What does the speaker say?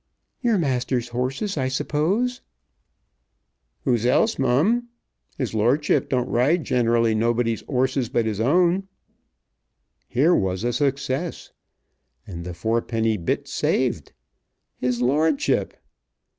"Your master's horses, I suppose?" "Whose else, Mum? His lordship don't ride generally nobody's 'orses but his own." Here was a success! And the fourpenny bit saved! His lordship!